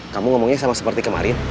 kamu ngomongnya sama seperti kemarin